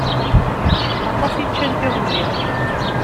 Aṭas i ččant iḍelli.